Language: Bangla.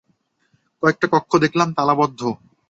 কয়েকটা কক্ষ দেখলাম তালাবদ্ধ।